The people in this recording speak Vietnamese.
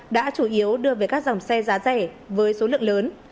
đã chủ yếu đưa về các dòng xe giá rẻ với số lượng lớn